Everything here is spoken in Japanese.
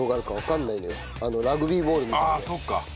ああそっか。